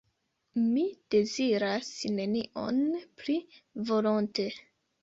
Mi deziras nenion pli volonte.